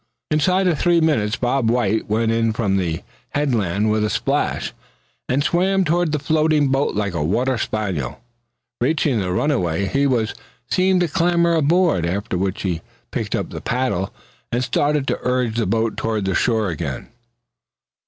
Inside of three minutes Bob White went in from the headland with a splash, and swam toward the floating boat like a water spaniel. Reaching the runaway he was seen to clamber aboard, after which he picked up the paddle, and started to urge the boat toward the shore again.